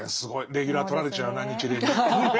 レギュラー取られちゃうな日蓮に。